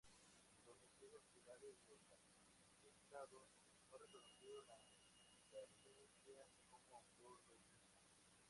Los testigos oculares del atentado no reconocieron a Garmendia como autor del mismo.